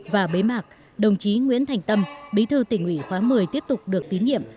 và bế mạc đồng chí nguyễn thành tâm bí thư tỉnh ủy khóa một mươi tiếp tục được tín nhiệm